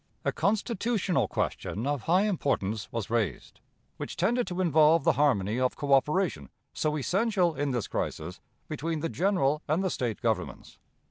A constitutional question of high importance was raised, which tended to involve the harmony of coöperation, so essential in this crisis, between the General and the State governments.